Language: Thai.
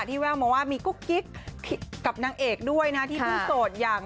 แววมาว่ามีกุ๊กกิ๊กกับนางเอกด้วยนะที่เพิ่งโสดอย่าง